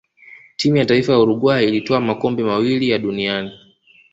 timu ya taifa ya uruguay ilitwaa makombe mawili ya duniani